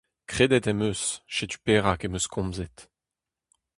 Kredet em eus, setu perak em eus komzet.